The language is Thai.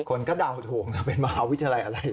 คนก็เดาถูกนะเป็นมหาวิทยาลัยอะไร